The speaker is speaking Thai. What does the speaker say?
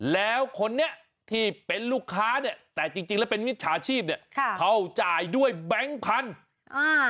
แล้วคนนี้ที่เป็นลูกค้าเนี่ยแต่จริงจริงแล้วเป็นมิจฉาชีพเนี่ยค่ะเขาจ่ายด้วยแบงค์พันธุ์อ่า